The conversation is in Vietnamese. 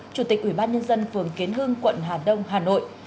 chủ tịch ủy ban nhân dân phường kiến hưng quận hà đông hà nội